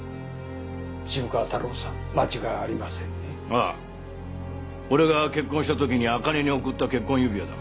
ああ俺が結婚したときにあかねに贈った結婚指輪だ。